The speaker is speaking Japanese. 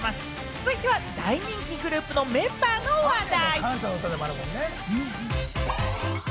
続いては、大人気グループのメンバーの話題。